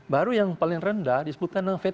baru yang paling rendah disebutkan dengan v